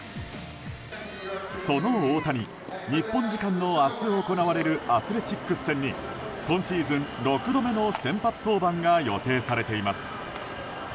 その大谷、日本時間の明日行われるアスレチックス戦に今シーズン６度目の先発登板が予定されています。